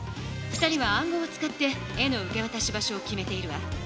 ２人は暗号を使って絵の受けわたし場所を決めているわ。